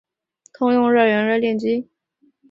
通用热源热电机。